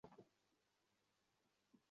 পালাও, মাইক।